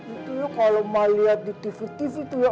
itu ya kalau mak liat di tv tv itu ya